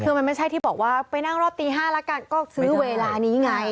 คือมันไม่ใช่ที่บอกว่าไปนั่งรอบตี๕แล้วกันก็ซื้อเวลานี้ไง